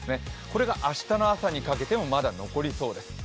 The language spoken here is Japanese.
これが明日の朝にかけてもまだ残りそうです。